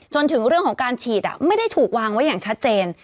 จนถึงเรื่องของการฉีดไม่ได้ถูกวางไว้อย่างชัดเจน